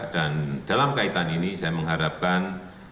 dan dalam kaitan ini saya mengharapkan